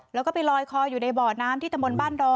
แล้วก็ไปลอยคออยู่ในบ่อน้ำที่ตะมนต์บ้านดอ